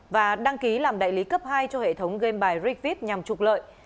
và đăng ký làm đại lý cấp hai cho hệ thống game by rigvip nhằm trục lợi